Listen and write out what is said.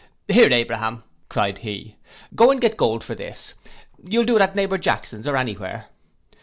'Here, Abraham,' cried he, 'go and get gold for this; you'll do it at neighbour Jackson's, or any where.